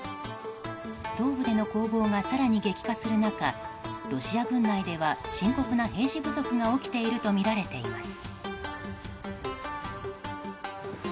東部での攻防が更に激化する中ロシア軍内では深刻な兵士不足が起きているとみられています。